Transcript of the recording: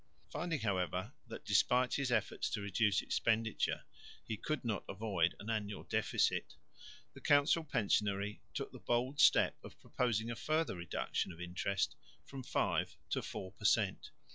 Finding however that, despite his efforts to reduce expenditure, he could not avoid an annual deficit, the council pensionary took the bold step of proposing a further reduction of interest from 5 to 4 per cent.